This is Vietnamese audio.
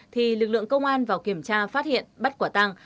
thì lực lượng công an vào kiểm tra phát hiện bắt quả tăng